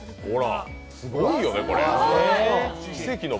すごいよねあっ。